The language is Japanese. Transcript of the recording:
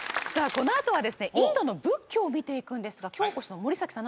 このあとはですねインドの仏教を見ていくんですが今日お越しの森崎さん